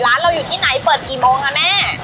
ร้านเราอยู่ที่ไหนเปิดกี่โมงคะแม่